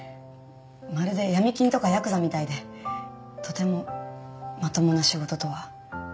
まるで闇金とかヤクザみたいでとてもまともな仕事とは。